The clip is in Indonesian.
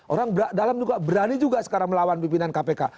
orang dalam juga berani juga sekarang melawan pimpinan kpk